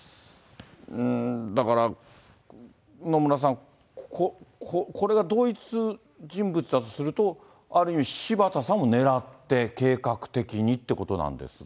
だから、野村さん、これが同一人物だとすると、ある意味、柴田さんを狙って計画的にってことなんですが。